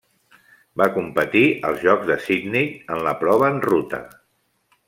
Va competir als Jocs de Sydney en la prova en ruta.